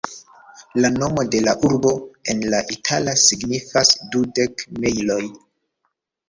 La nomo de la urbo en la itala signifas ""dudek mejloj"".